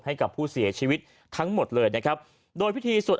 ให้กับผู้เสียชีวิตทั้งหมดเลย